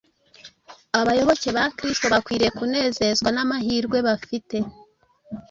Abayoboke ba Kristo bakwiriye kunezezwa n’amahirwe bafite